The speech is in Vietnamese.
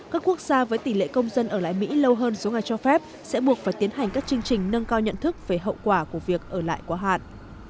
các quốc gia với tỷ lệ công dân ở lại mỹ lâu hơn số ngày cho phép sẽ buộc phải tiến hành các chương trình nâng cao nhận thức về hậu quả của việc ở lại quá hạn